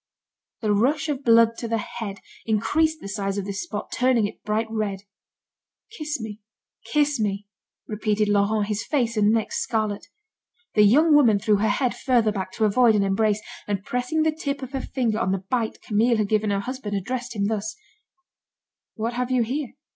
The rush of blood to the head, increased the size of this spot, turning it bright red. "Kiss me, kiss me," repeated Laurent, his face and neck scarlet. The young woman threw her head further back, to avoid an embrace, and pressing the tip of her finger on the bite Camille had given her husband, addressed him thus: "What have you here?